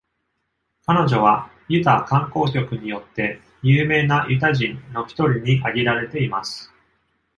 彼女はユタ観光局によって、「有名なユタ人」の一人に挙げられています。